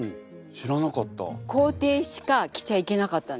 知らなかった。